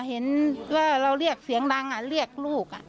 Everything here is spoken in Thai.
เห็นว่าเราเรียกเสียงดังเรียกลูก